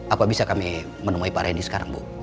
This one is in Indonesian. apa bisa kami menemui pak randy sekarang bu